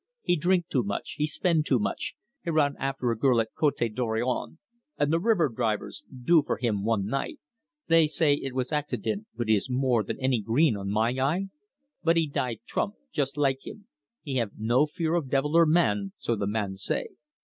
'He drink too much, he spend too much, he run after a girl at Cote Dorion, and the river drivers do for him one night. They say it was acciden', but is there any green on my eye? But he die trump jus' like him. He have no fear of devil or man,' so the man say.